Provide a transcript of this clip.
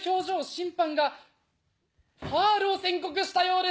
審判がファールを宣告したようです。